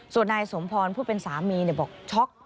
ส่วนนายสมพรผู้เป็นสามีบอกช็อก